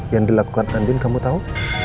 yang dilakukan andin kamu tahu